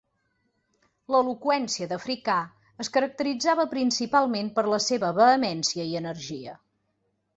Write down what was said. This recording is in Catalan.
L'eloqüència d'Africà es caracteritzava principalment per la seva vehemència i energia.